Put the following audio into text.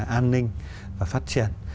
an ninh và phát triển